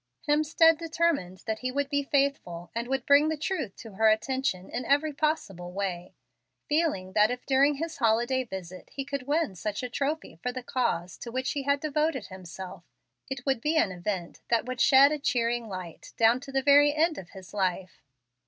Hemstead determined that he would be faithful, and would bring the truth to her attention in every possible way, feeling that if during this holiday visit he could win such a trophy for the cause to which he had devoted himself, it would be an event that would shed a cheering light down to the very end of his life.